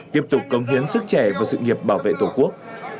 tiếp tục cống hiến sức trẻ vào sự nghiệp bảo vệ tổ quốc